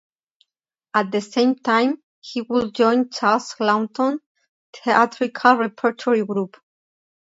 At the same time, he would join Charles Laughton's theatrical repertory group.